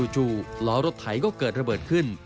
จู่ล้อรถไถก็เกิดระเบิดขึ้น